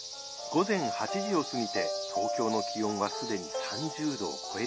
午前８時を過ぎて東京の気温は既に３０度を超えています。